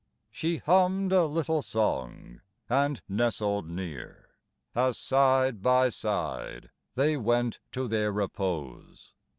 She hummed a little song and nestled near, As side by side they went to their repose.